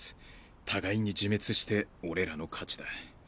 互いに自滅して俺らの勝ちだ。